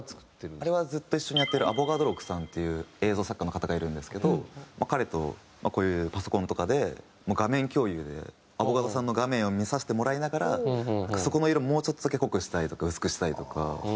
あれはずっと一緒にやってるアボガド６さんっていう映像作家の方がいるんですけど彼とこういうパソコンとかで画面共有でアボガドさんの画面を見させてもらいながらそこの色もうちょっとだけ濃くしたいとか薄くしたいとか。